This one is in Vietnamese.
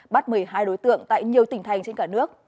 bắt một mươi hai đối tượng tại nhiều tỉnh thành trên cả nước